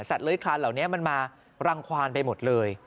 เล้ยคลานเหล่านี้มันมารังความไปหมดเลย